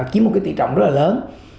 chiếm một cái tỷ trọng rất là lớn